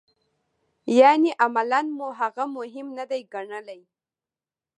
یعنې عملاً مو هغه مهم نه دی ګڼلی.